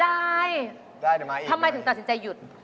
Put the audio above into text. ได้จะมาอีกเลยทำไมถึงตัวสินใจหยุด